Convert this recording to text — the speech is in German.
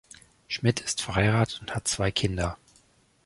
Schmitt ist verheiratet und hat zwei Kinder.